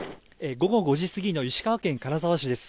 午後５時過ぎの石川県金沢市です。